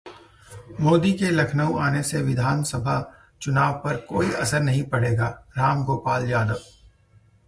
मोदी के लखनऊ आने से विधानसभा चुनाव पर कोई असर नहीं पड़ेगा: रामगोपाल यादव